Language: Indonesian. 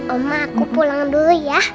oma aku pulang dulu ya